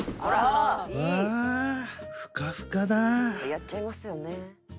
「やっちゃいますよね」